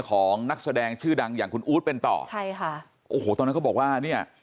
ของนักแสดงชื่อดังอย่างคุณอู๊ดเป็นต่อใช่ค่ะโอ้โหตอนนั้นเขาบอกว่าเนี่ย